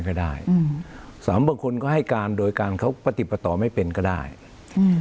เหตุการณ์ไว้ก็ได้สามบางคนก็ให้การโดยการเขาปฏิปตัวไม่เป็นก็ได้อืม